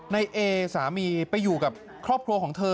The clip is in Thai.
ในเอสามีไปอยู่กับครอบครัวของเธอ